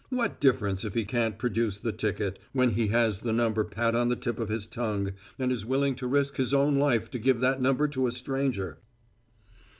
What difference if he can't produce the ticket when he has the number pat on the tip of his tongue, and is willing to risk his own life to give that number to a stranger?